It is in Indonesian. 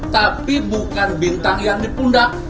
tapi bukan bintang yang dipundak